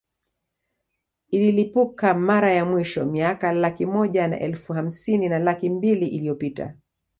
Ililipuka mara ya mwisho miaka laki moja na elfu hamsini na laki mbili iliyopita